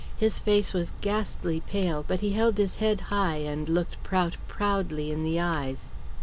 His face was ghastly pale, but he held his head high and looked Prout proudly in the eyes.